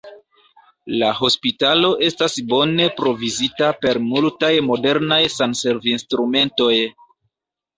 La hospitalo estas bone provizita per multaj modernaj sanservinstrumentoj.